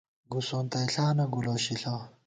گُوسونَتَئݪانہ گُو لوشِݪہ